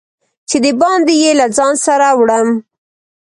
چې د باندي یې له ځان سره وړم